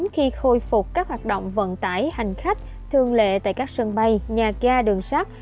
khi khôi phục các hoạt động vận tải hành khách thường lệ tại các sân bay nhà ga đường sắt